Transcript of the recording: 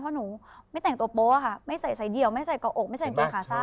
เพราะหนูไม่แต่งตัวโป๊ะค่ะไม่ใส่สายเดี่ยวไม่ใส่เกาะอกไม่ใส่กางเกงขาสั้น